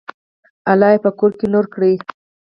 الله یې په ګور کې نور کړي.